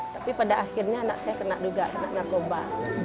tapi pada akhirnya anak saya kena juga kena narkoba